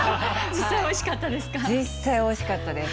実際おいしかったです。